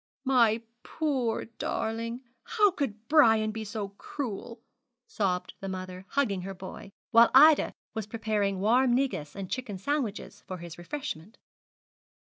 'My poor darling! how could Brian be so cruel?' sobbed the mother, hugging her boy, while Ida was preparing warm negus and chicken sandwiches for his refreshment.